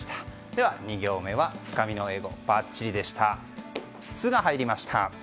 では２行目はつかみの英語ばっちりでした「ツ」が入りました。